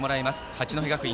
八戸学院